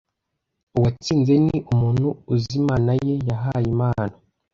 Uwatsinze ni umuntu uzi Imana ye yahaye impano,